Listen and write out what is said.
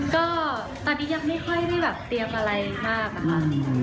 ก็ตอนนี้ยังไม่ค่อยได้แบบเตรียมอะไรมากนะคะ